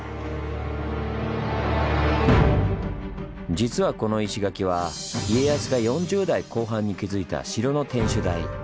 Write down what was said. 実はこの石垣は家康が４０代後半に築いた城の天守台。